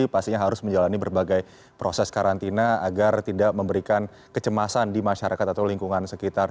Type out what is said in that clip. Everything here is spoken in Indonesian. pastinya harus menjalani berbagai proses karantina agar tidak memberikan kecemasan di masyarakat atau lingkungan sekitar